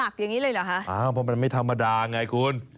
เพราะมันไม่ธรรมดาไงคุณ